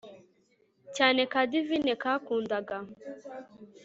cyane ka divine kakundaga